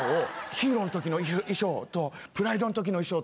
『ＨＥＲＯ』の時の衣装と『プライド』の時の衣装と。